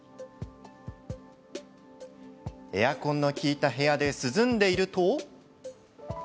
エアコンの効いた部屋で涼んでいると。